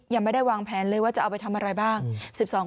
ยังไม่ได้วางแผนเลยว่าจะเอาไปทำอะไรบ้าง